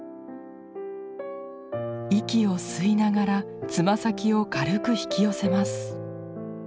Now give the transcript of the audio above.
息を吸いながらつま先を軽く引き寄せます。